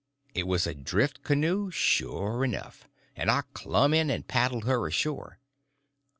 It was a drift canoe sure enough, and I clumb in and paddled her ashore.